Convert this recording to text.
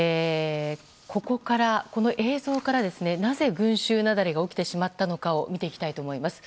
この映像から、なぜ群衆雪崩が起きてしまったのかを見ていきたいと思います。